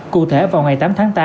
cụ thể vào ngày tám tháng tám